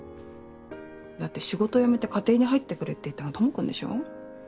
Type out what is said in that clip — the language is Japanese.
だって仕事辞めて家庭に入ってくれって言ったの智くんでしょ？